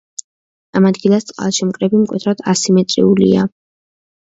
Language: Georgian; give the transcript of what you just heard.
ამ ადგილას წყალშემკრები მკვეთრად ასიმეტრიულია.